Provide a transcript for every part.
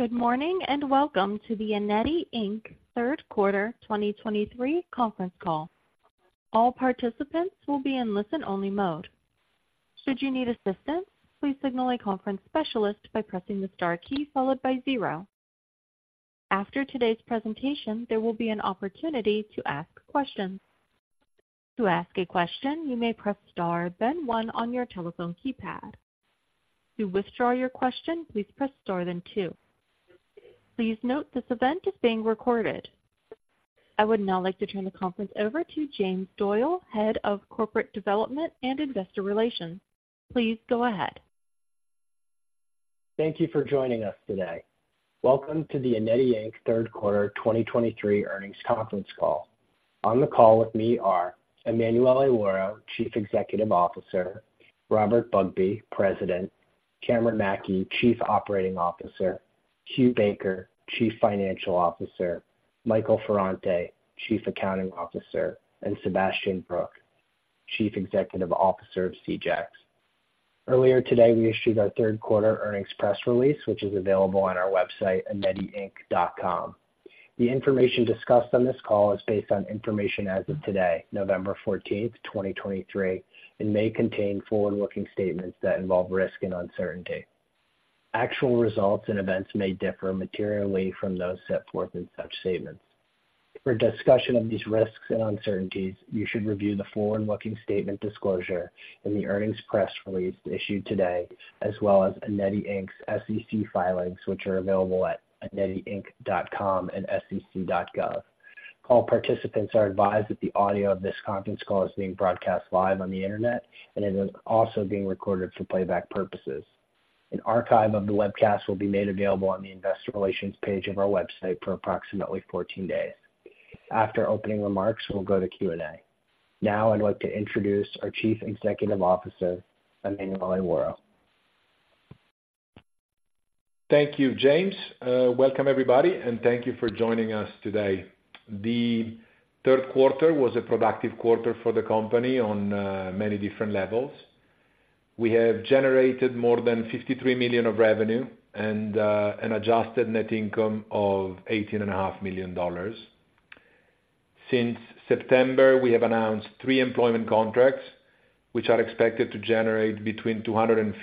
Good morning, and welcome to the Eneti Inc. third quarter 2023 conference call. All participants will be in listen-only mode. Should you need assistance, please signal a conference specialist by pressing the star key followed by zero. After today's presentation, there will be an opportunity to ask questions. To ask a question, you may press star, then one on your telephone keypad. To withdraw your question, please press star, then two. Please note, this event is being recorded. I would now like to turn the conference over to James Doyle, Head of Corporate Development and Investor Relations. Please go ahead. Thank you for joining us today. Welcome to the Eneti Inc. third quarter 2023 earnings conference call. On the call with me are Emanuele Lauro, Chief Executive Officer, Robert Bugbee, President, Cameron Mackey, Chief Operating Officer, Hugh Baker, Chief Financial Officer, Michael Ferrante, Chief Accounting Officer, and Sebastian Brooke, Chief Executive Officer of Seajacks. Earlier today, we issued our third quarter earnings press release, which is available on our website, enetiinc.com. The information discussed on this call is based on information as of today, November 14th, 2023, and may contain forward-looking statements that involve risk and uncertainty. Actual results and events may differ materially from those set forth in such statements. For discussion of these risks and uncertainties, you should review the forward-looking statement disclosure in the earnings press release issued today, as well as Eneti Inc's SEC filings, which are available at enetiinc.com and sec.gov. All participants are advised that the audio of this conference call is being broadcast live on the Internet and it is also being recorded for playback purposes. An archive of the webcast will be made available on the investor relations page of our website for approximately 14 days. After opening remarks, we'll go to Q&A. Now, I'd like to introduce our Chief Executive Officer, Emanuele Lauro. Thank you, James. Welcome, everybody, and thank you for joining us today. The third quarter was a productive quarter for the company on many different levels. We have generated more than $53 million of revenue and an adjusted net income of $18.5 million. Since September, we have announced three employment contracts, which are expected to generate between $250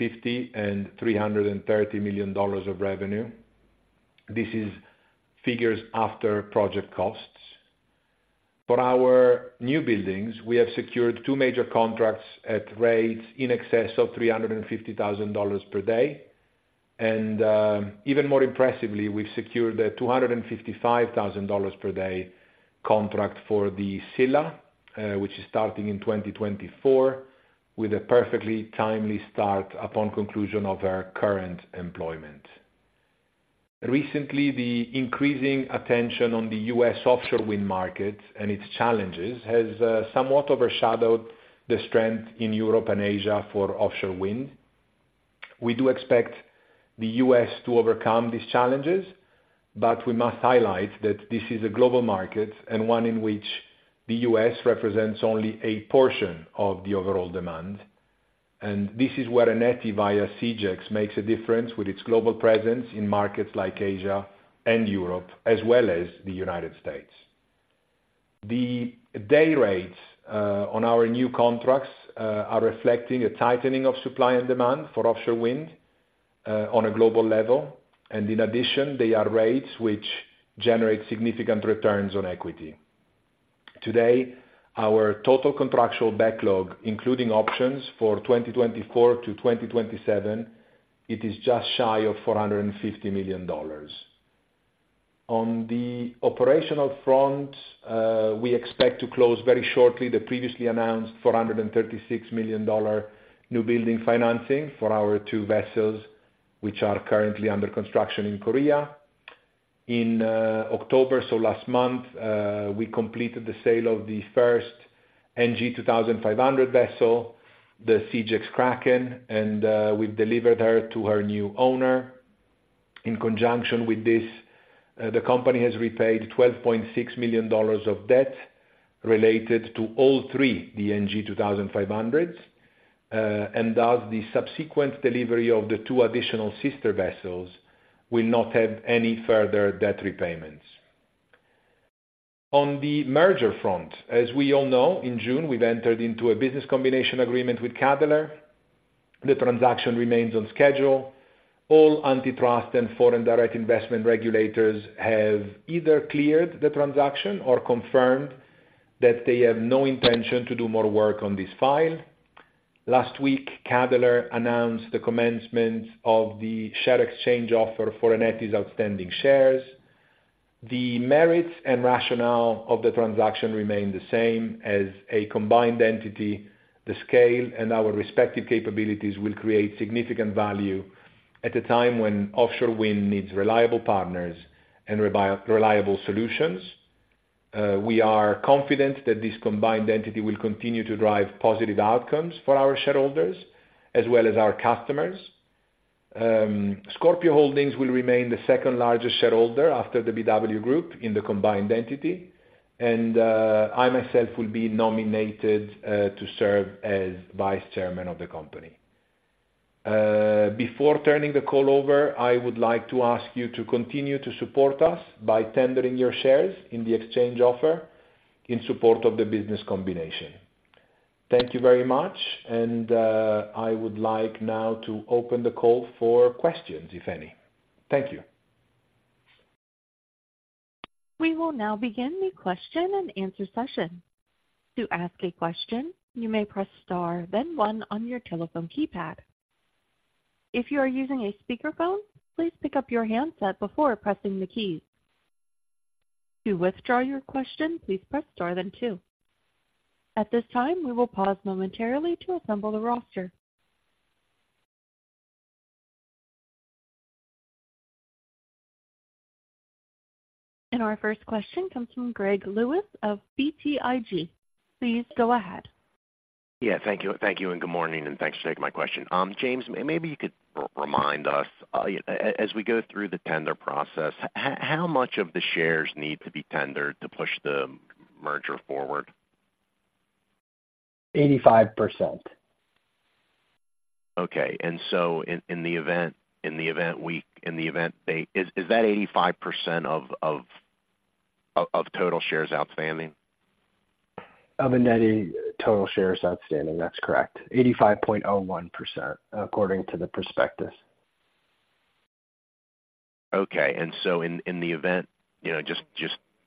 million and $330 million of revenue. This is figures after project costs. For our newbuildings, we have secured two major contracts at rates in excess of $350,000 per day. And, even more impressively, we've secured a $255,000 per day contract for the Scylla, which is starting in 2024, with a perfectly timely start upon conclusion of our current employment. Recently, the increasing attention on the U.S. offshore wind market and its challenges has somewhat overshadowed the strength in Europe and Asia for offshore wind. We do expect the U.S. to overcome these challenges, but we must highlight that this is a global market and one in which the U.S. represents only a portion of the overall demand. And this is where Eneti, via Seajacks, makes a difference with its global presence in markets like Asia and Europe, as well as the United States. The day rates on our new contracts are reflecting a tightening of supply and demand for offshore wind on a global level, and in addition, they are rates which generate significant returns on equity. Today, our total contractual backlog, including options for 2024 to 2027, it is just shy of $450 million. On the operational front, we expect to close very shortly the previously announced $436 million newbuilding financing for our two vessels, which are currently under construction in Korea. In October, so last month, we completed the sale of the first NG2500 vessel, the Seajacks Kraken, and we've delivered her to her new owner. In conjunction with this, the company has repaid $12.6 million of debt related to all three, the NG2500s, and thus the subsequent delivery of the two additional sister vessels will not have any further debt repayments. On the merger front, as we all know, in June, we've entered into a business combination agreement with Cadeler. The transaction remains on schedule. All antitrust and foreign direct investment regulators have either cleared the transaction or confirmed that they have no intention to do more work on this file. Last week, Cadeler announced the commencement of the share exchange offer for Eneti's outstanding shares. The merits and rationale of the transaction remain the same as a combined entity. The scale and our respective capabilities will create significant value at a time when offshore wind needs reliable partners and reliable solutions. We are confident that this combined entity will continue to drive positive outcomes for our shareholders as well as our customers. Scorpio Holdings will remain the second-largest shareholder after the BW Group in the combined entity, and I myself will be nominated to serve as vice chairman of the company. Before turning the call over, I would like to ask you to continue to support us by tendering your shares in the exchange offer in support of the business combination. Thank you very much, and I would like now to open the call for questions, if any. Thank you. We will now begin the question and answer session. To ask a question, you may press star, then one on your telephone keypad. If you are using a speakerphone, please pick up your handset before pressing the keys. To withdraw your question, please press star then two. At this time, we will pause momentarily to assemble the roster. Our first question comes from Greg Lewis of BTIG. Please go ahead. Yeah, thank you. Thank you, and good morning, and thanks for taking my question. James, maybe you could remind us, as we go through the tender process, how much of the shares need to be tendered to push the merger forward? 85%. Okay. And so in the event they... Is that 85% of total shares outstanding? Of Eneti total shares outstanding, that's correct. 85.01%, according to the prospectus. Okay. And so in the event, you know, just,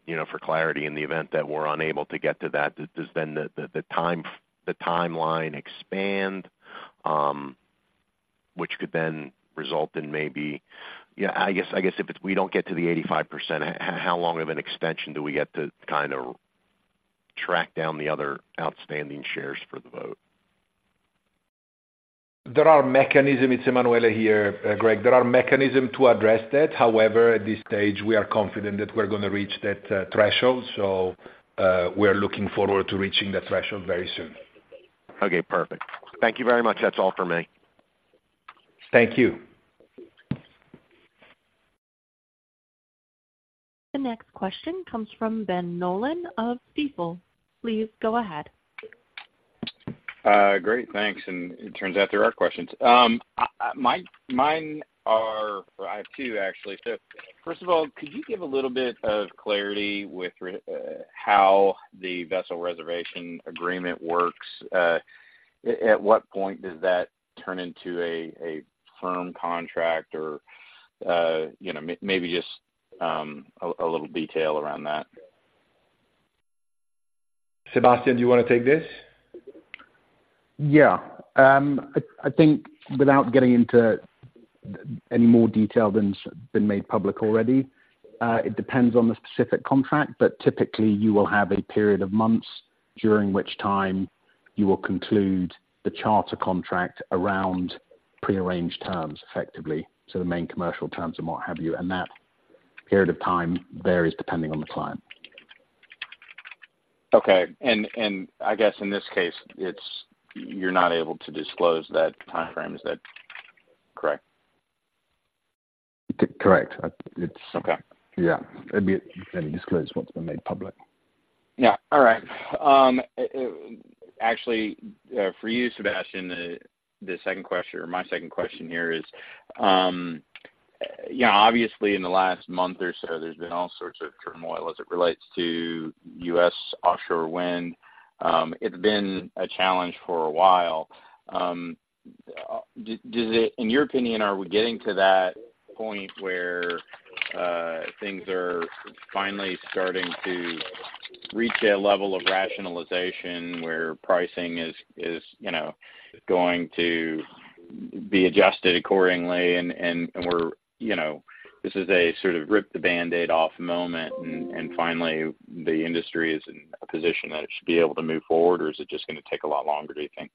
you know, for clarity, in the event that we're unable to get to that, does then the timeline expand, which could then result in maybe... Yeah, I guess if it's we don't get to the 85%, how long of an extension do we get to kind of track down the other outstanding shares for the vote? There are mechanisms. It's Emanuele here, Greg. There are mechanisms to address that. However, at this stage, we are confident that we're going to reach that threshold. So, we are looking forward to reaching that threshold very soon. Okay, perfect. Thank you very much. That's all for me. Thank you. The next question comes from Ben Nolan of Stifel. Please go ahead. Great, thanks. And it turns out there are questions. Mine are... I have two, actually. So first of all, could you give a little bit of clarity with how the vessel reservation agreement works? At what point does that turn into a firm contract or, you know, maybe just a little detail around that? Sebastian, do you want to take this? Yeah. I think without getting into any more detail than has been made public already, it depends on the specific contract, but typically, you will have a period of months during which time you will conclude the charter contract around prearranged terms, effectively, so the main commercial terms and what have you. And that period of time varies depending on the client. Okay. And, I guess in this case, it's... You're not able to disclose that timeframe. Is that correct? Correct. It's- Okay. Yeah. It'd be, let me disclose what's been made public. Yeah. All right. Actually, for you, Sebastian, the second question or my second question here is, you know, obviously in the last month or so, there's been all sorts of turmoil as it relates to U.S. offshore wind. It's been a challenge for a while. Does it... In your opinion, are we getting to that point where, things are finally starting to reach a level of rationalization, where pricing is, is, you know, going to be adjusted accordingly, and, and, and we're, you know, this is a sort of rip the band-aid off moment, and, and finally, the industry is in a position that it should be able to move forward, or is it just going to take a lot longer, do you think?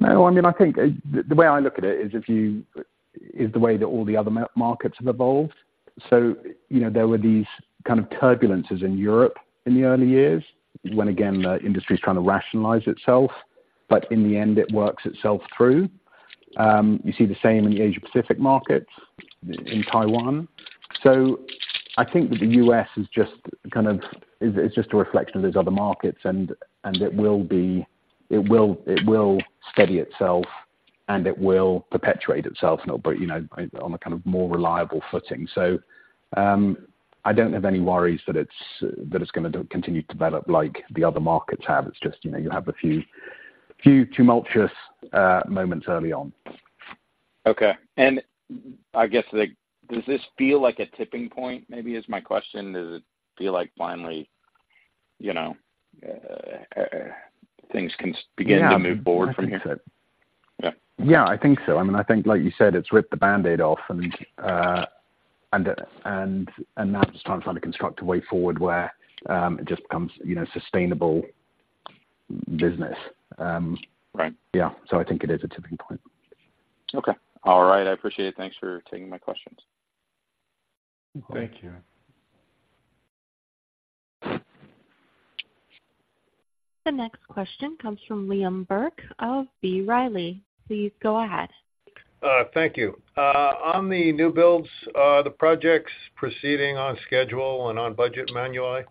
No, I mean, I think, the way I look at it is if you, is the way that all the other markets have evolved. So, you know, there were these kind of turbulences in Europe in the early years, when, again, the industry is trying to rationalize itself, but in the end, it works itself through. You see the same in the Asia-Pacific markets, in Taiwan. So I think that the U.S. is just kind of, it's just a reflection of these other markets, and, and it will be- it will, it will steady itself, and it will perpetuate itself, no, but, you know, on a kind of more reliable footing. So, I don't have any worries that it's, that it's gonna continue to develop like the other markets have. It's just, you know, you have a few, few tumultuous, moments early on. Okay. And I guess, like, does this feel like a tipping point, maybe is my question? Does it feel like finally, you know, things can- Yeah... begin to move forward from here? I think so. Yeah. Yeah, I think so. I mean, I think like you said, it's ripped the band-aid off, and now it's time to try to construct a way forward where it just becomes, you know, sustainable business. Right. Yeah. So I think it is a tipping point. Okay. All right, I appreciate it. Thanks for taking my questions. Thank you. The next question comes from Liam Burke of B. Riley. Please go ahead. Thank you. On the new builds, are the projects proceeding on schedule and on budget, Emanuele?...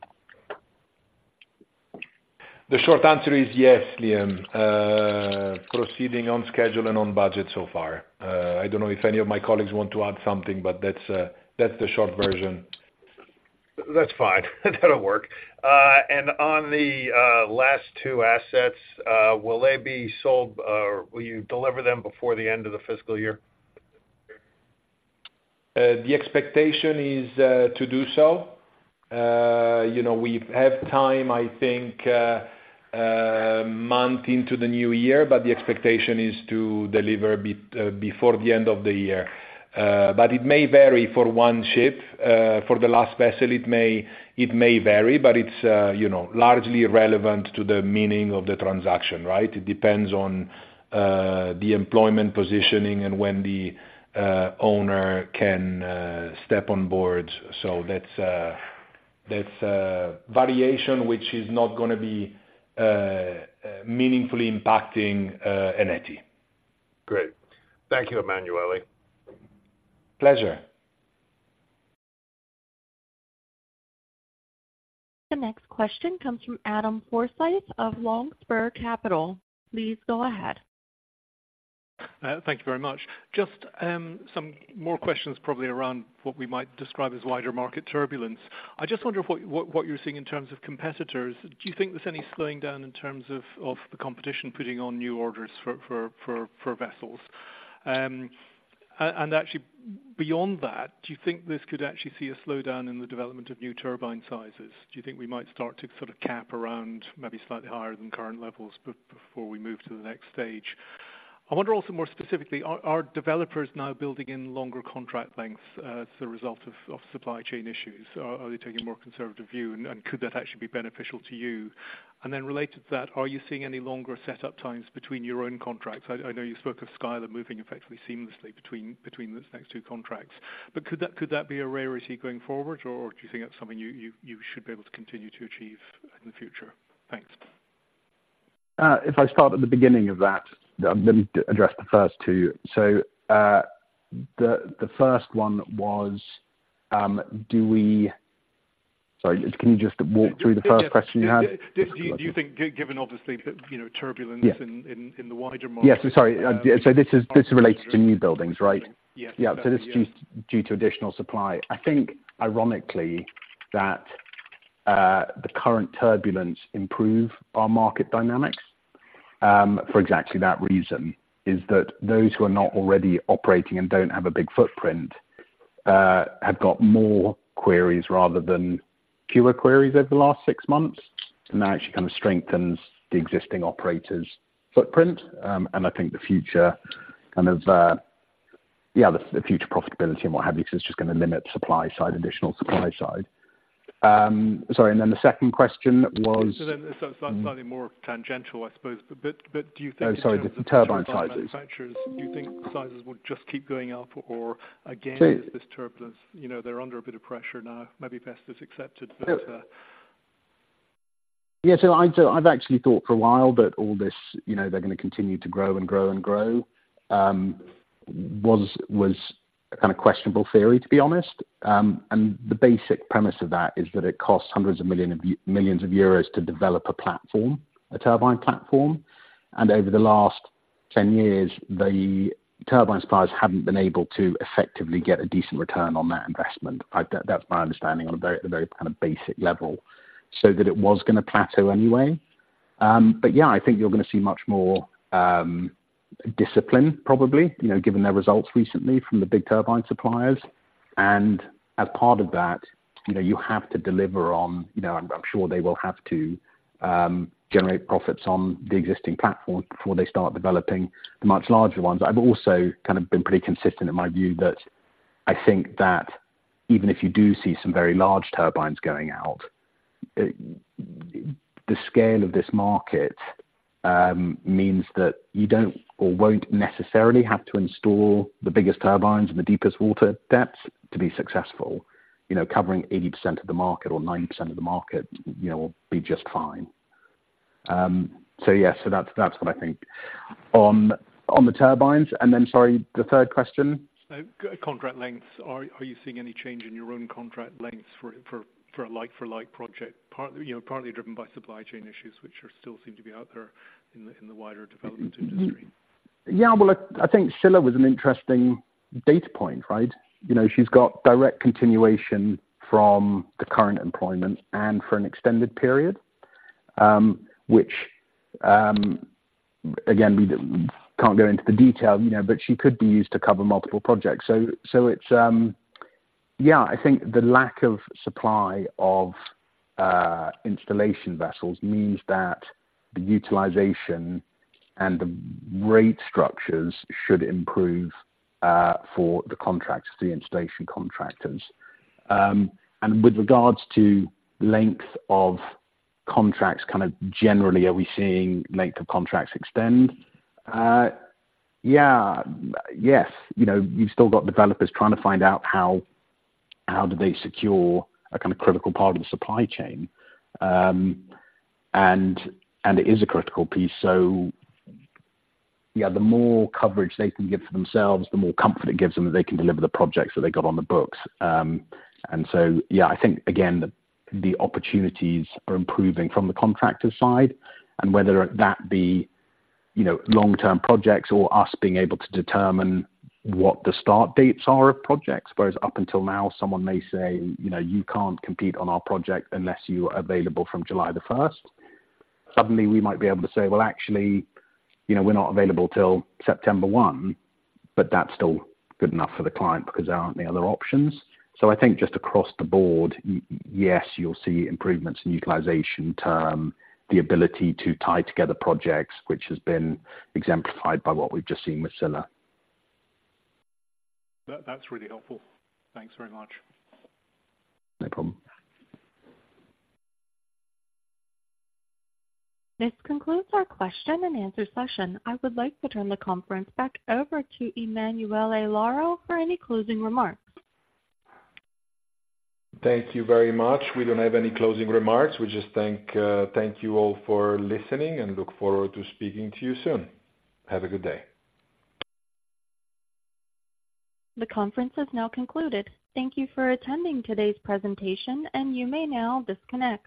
The short answer is yes, Liam. Proceeding on schedule and on budget so far. I don't know if any of my colleagues want to add something, but that's, that's the short version. That's fine. That'll work. And on the last two assets, will they be sold, will you deliver them before the end of the fiscal year? The expectation is to do so. You know, we have time, I think, a month into the new year, but the expectation is to deliver before the end of the year. But it may vary for one ship. For the last vessel, it may vary, but it's, you know, largely relevant to the meaning of the transaction, right? It depends on the employment positioning and when the owner can step on board. So that's a variation which is not gonna be meaningfully impacting Eneti. Great. Thank you, Emanuele. Pleasure. The next question comes from Adam Forsyth of Longspur Capital. Please go ahead. Thank you very much. Just some more questions, probably around what we might describe as wider market turbulence. I just wonder what you're seeing in terms of competitors. Do you think there's any slowing down in terms of the competition putting on new orders for vessels? And actually beyond that, do you think this could actually see a slowdown in the development of new turbine sizes? Do you think we might start to sort of cap around, maybe slightly higher than current levels, before we move to the next stage? I wonder also, more specifically, are developers now building in longer contract lengths as a result of supply chain issues? Are they taking a more conservative view, and could that actually be beneficial to you? And then related to that, are you seeing any longer set-up times between your own contracts? I know you spoke of Scylla moving effectively seamlessly between those next two contracts, but could that be a rarity going forward, or do you think that's something you should be able to continue to achieve in the future? Thanks. If I start at the beginning of that, let me address the first two. So, the first one was, do we... Sorry, can you just walk through the first question you had? Do you think, given obviously the, you know, turbulence- Yeah. in the wider market? Yes. Sorry. So this is, this relates to new buildings, right? Yes. Yeah, so this is due to additional supply. I think ironically that the current turbulence improves our market dynamics for exactly that reason, is that those who are not already operating and don't have a big footprint have got more queries rather than fewer queries over the last six months, and that actually kind of strengthens the existing operators' footprint. And I think the future kind of the future profitability and what have you, 'cause it's just gonna limit supply side, additional supply side. Sorry, and then the second question was- Then, slightly more tangential, I suppose, but do you think- Oh, sorry, the turbine sizes. manufacturers, do you think sizes will just keep going up? Or again- So- - this turbulence, you know, they're under a bit of pressure now, maybe best is accepted, but... Yeah, so I've actually thought for a while that all this, you know, they're gonna continue to grow and grow and grow, was a kind of questionable theory, to be honest. And the basic premise of that is that it costs hundreds of millions of euros to develop a platform, a turbine platform. And over the last 10 years, the turbine suppliers haven't been able to effectively get a decent return on that investment. That's my understanding on the very basic level, so that it was gonna plateau anyway. But yeah, I think you're gonna see much more discipline probably, you know, given their results recently from the big turbine suppliers. As part of that, you know, you have to deliver on, you know, I'm sure they will have to generate profits on the existing platform before they start developing the much larger ones. I've also kind of been pretty consistent in my view that I think that even if you do see some very large turbines going out, the scale of this market means that you don't or won't necessarily have to install the biggest turbines in the deepest water depths to be successful. You know, covering 80% of the market or 90% of the market, you know, will be just fine. So yes, so that's what I think. On, on the turbines, and then, sorry, the third question? Contract lengths. Are you seeing any change in your own contract lengths for a like for like project, partly, you know, partly driven by supply chain issues, which are still seem to be out there in the wider development industry? Yeah, well, I think Scylla was an interesting data point, right? You know, she's got direct continuation from the current employment and for an extended period, which, again, we can't go into the detail, you know, but she could be used to cover multiple projects. So it's, yeah, I think the lack of supply of installation vessels means that the utilization and the rate structures should improve for the contracts, the installation contractors. And with regards to length of contracts, kind of generally, are we seeing length of contracts extend? Yeah, yes. You know, you've still got developers trying to find out how do they secure a kind of critical part of the supply chain. And it is a critical piece. So yeah, the more coverage they can give to themselves, the more comfort it gives them that they can deliver the projects that they got on the books. And so, yeah, I think again, the opportunities are improving from the contractor side, and whether that be, you know, long-term projects or us being able to determine what the start dates are of projects. Whereas up until now, someone may say, "You know, you can't compete on our project unless you are available from July the first." Suddenly we might be able to say, "Well, actually, you know, we're not available till September one," but that's still good enough for the client because there aren't any other options. So I think just across the board, yes, you'll see improvements in utilization term, the ability to tie together projects, which has been exemplified by what we've just seen with Scylla. That, that's really helpful. Thanks very much. No problem. This concludes our question and answer session. I would like to turn the conference back over to Emanuele Lauro for any closing remarks. Thank you very much. We don't have any closing remarks. We just thank you all for listening and look forward to speaking to you soon. Have a good day. The conference is now concluded. Thank you for attending today's presentation, and you may now disconnect.